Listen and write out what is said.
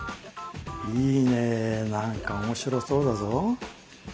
いいね何か面白そうだぞ。